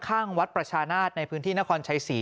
ข้างวัดประชานาศในพื้นที่นครชัยศรี